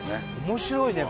面白いね